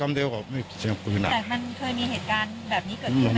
มันเคยเห็นเหตุการณ์แบบนี้เกิดมั้ย